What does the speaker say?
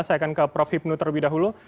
saya akan ke prof hipnu terlebih dahulu